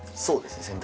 そうですね。